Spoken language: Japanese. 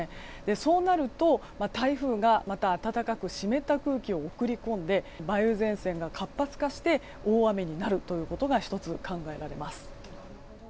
そうなると、台風がまた暖かく湿った空気を送り込んで梅雨前線が活発化して大雨になることが１つ、考えられます。